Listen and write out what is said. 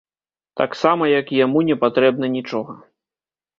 Таксама, як і яму непатрэбна нічога.